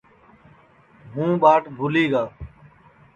ہُوں ٻاٹ بھُولی گی گا